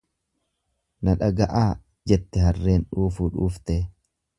Na dhaga'aa jette harreen dhuufuu dhuuftee.